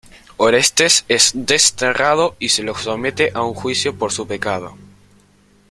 Orestes es desterrado y se lo somete a un juicio por su pecado.